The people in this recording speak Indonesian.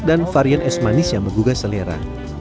dan varian es manis yang menggugah selera